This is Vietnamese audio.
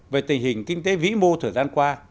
về tình hình kinh tế vĩ mô thời gian qua